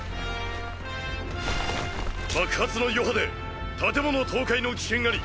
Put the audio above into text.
爆発の余波で建物倒壊の危険あり。